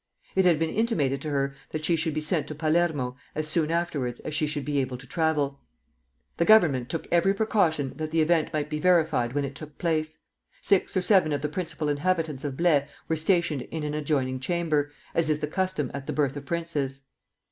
It had been intimated to her that she should be sent to Palermo as soon afterwards as she should be able to travel. The Government took every precaution, that the event might be verified when it took place. Six or seven of the principal inhabitants of Blaye were stationed in an adjoining chamber, as is the custom at the birth of princes.